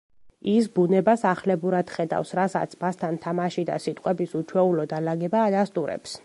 ის ბუნებას ახლებურად ხედავს, რასაც მასთან თამაში და სიტყვების უჩვეულო დალაგება ადასტურებს.